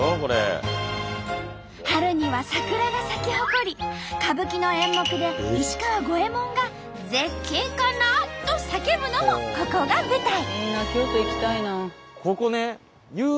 春には桜が咲き誇り歌舞伎の演目で石川五右衛門が「絶景かな」と叫ぶのもここが舞台。